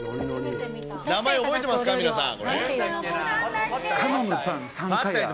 名前、覚えてますか、皆さん。